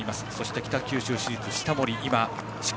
北九州市立の下森。